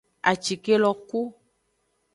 Acike lo ku.